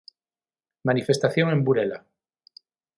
Manifestación en Burela.